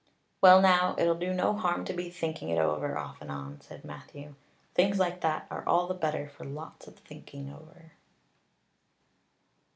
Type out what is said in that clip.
"Well now, it'll do no harm to be thinking it over off and on," said Matthew. "Things like that are all the better for lots of thinking over."